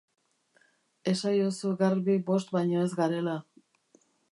Esaiozu garbi bost baino ez garela.